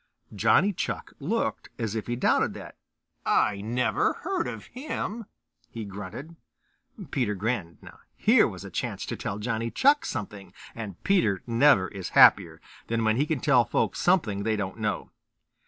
Johnny Chuck looked as if he doubted that, "I never heard of him," he grunted. Peter grinned. Here was a chance to tell Johnny Chuck something, and Peter never is happier than when he can tell folks something they don't know.